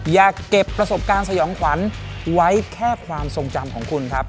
อย่าเก็บประสบการณ์สยองขวัญไว้แค่ความทรงจำของคุณครับ